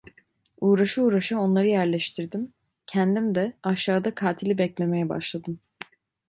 Uğraşa uğraşa onları yerleştirdim, kendim de aşağıda katili beklemeye başladım.